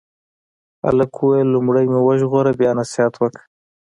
هلک وویل لومړی مې وژغوره بیا نصیحت وکړه.